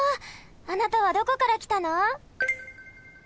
あなたはどこからきたの？